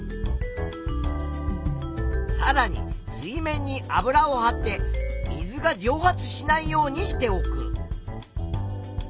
さらに水面に油をはって水がじょう発しないようにしておく。